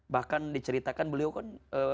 bahkan diceritakan beliau kan